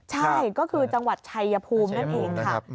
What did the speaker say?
ใช่ก็คือจังหวัดชัยภูมินั่นเองค่ะ